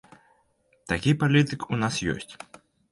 Такі палітык у нас ёсць!